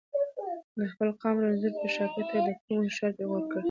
د خپل قام رنځور په شاکه ته ته کوم هوښیار پیغور کړي.